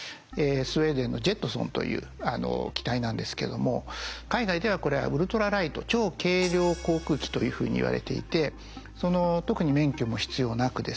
スウェーデンのＪｅｔｓｏｎという機体なんですけども海外ではこれはウルトラライト超軽量航空機というふうにいわれていて特に免許も必要なくですね